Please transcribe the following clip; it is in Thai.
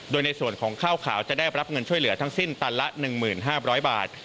โดยในส่วนของข้าวขาวจะได้รับเงินช่วยเหลือทั้งสิ้นตันละ๑๕๐๐บาท